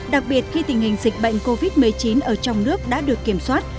đặc biệt khi tình hình dịch bệnh covid một mươi chín ở trong nước đã được kiểm soát